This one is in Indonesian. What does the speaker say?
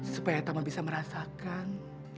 supaya tamu bisa merasakan